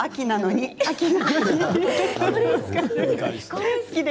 これ好き。